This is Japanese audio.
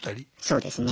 そうですね。